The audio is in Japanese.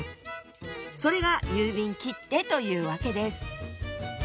それが郵便切手というわけです。